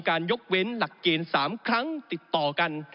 ยกเว้นหลักเกณฑ์๓ครั้งติดต่อกัน